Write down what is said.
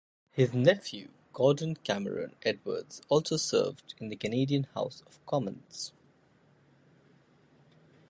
His nephew Gordon Cameron Edwards also served in the Canadian House of Commons.